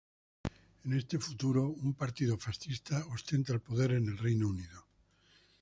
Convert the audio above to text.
En este futuro, un partido fascista ostenta el poder en el Reino Unido.